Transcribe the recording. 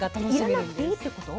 煎らなくていいってこと？